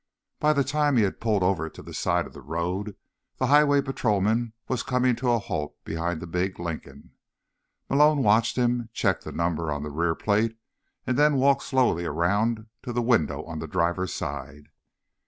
By the time he had pulled over to the side of the road, the highway patrolman was coming to a halt behind the big Lincoln. Malone watched him check the number on the rear plate and then walk slowly around to the window on the driver's side.